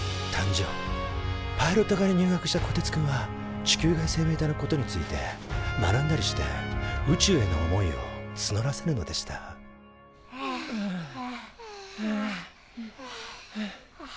パイロット科に入学したこてつくんは地球外生命体のことについて学んだりして宇宙への思いをつのらせるのでしたはあはあはあ。